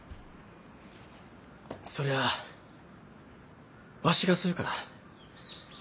そりゃあわしがするから。